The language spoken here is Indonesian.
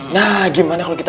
nah gimana kalau kita